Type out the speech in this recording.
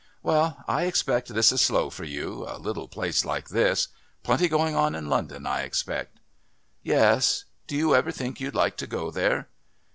"Well, I expect this is slow for you, a little place like this. Plenty going on in London, I expect." "Yes. Do you ever think you'd like to go there?"